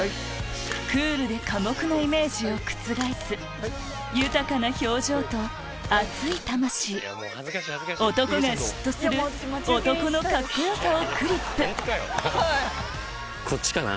クールで寡黙なイメージを覆す豊かな表情と熱い魂男が嫉妬する男のカッコよさをクリップこっちかな。